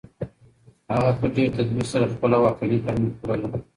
هغه په ډېر تدبیر سره خپله واکمني پرمخ وړله.